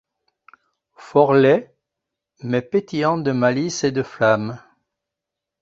Fort laids, mais pétillants de malice et de flamme